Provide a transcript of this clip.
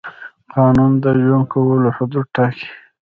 قانون د ژوند کولو حدود ټاکي.